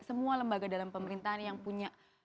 semua lembaga dalam pemerintahan yang punya